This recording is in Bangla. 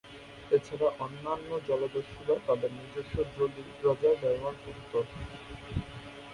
এছাড়া অন্যান্য জলদস্যুরা তাদের নিজস্ব জলি রজার ব্যবহার করত।